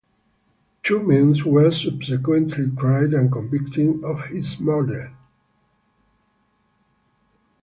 Two men were subsequently tried and convicted of his murder.